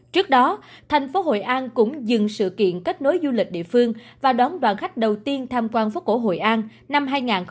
trước đó thành phố hội an cũng dừng sự kiện kết nối du lịch địa phương và đón đoàn khách đầu tiên tham quan phố cổ hội an năm hai nghìn hai mươi bốn